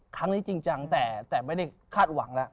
ครั้งนี้จริงจังแต่ไม่ได้คาดหวังแล้ว